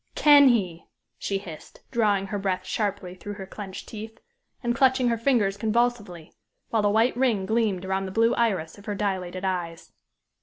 "Can he!" she hissed, drawing her breath sharply through her clenched teeth, and clutching her fingers convulsively, while a white ring gleamed around the blue iris of her dilated eyes.